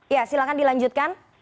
ya silakan dilanjutkan